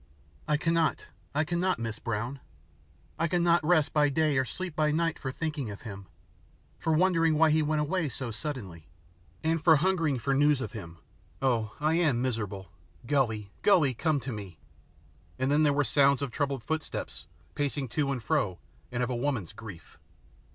"I cannot, I cannot, Mrs. Brown. I cannot rest by day or sleep by night for thinking of him; for wondering why he went away so suddenly, and for hungering for news of him. Oh, I am miserable. Gully! Gully! Come to me," and then there were sounds of troubled footsteps pacing to and fro and of a woman's grief.